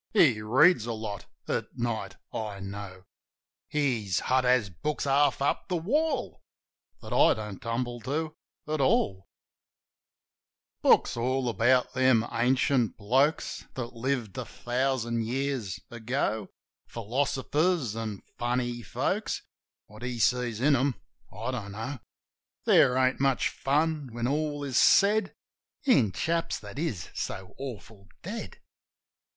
He reads a lot at night, I know; His hut has books half up the wall That I don't tumble to at all. OLD BOB BLAIR 49 Books all about them ancient blokes That lived a thousand years ago : Philosophers an' funny folks. What he sees in them I don't know. There ain't much fun, when all is said. In chaps' that is so awful dead.